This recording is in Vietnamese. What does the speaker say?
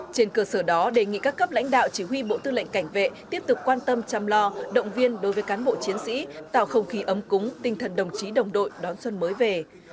trên cơ sở đó đề nghị các cấp lãnh đạo chỉ huy bộ tư lệnh cảnh vệ tiếp tục quan tâm chăm lo động viên đối với cán bộ chiến sĩ tạo không khí ấm cúng tinh thần đồng chí đồng đội đón xuân mới về